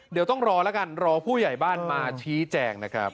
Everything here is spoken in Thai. เดี๋ยวต้องรอแล้วกันรอผู้ใหญ่บ้านมาชี้แจงนะครับ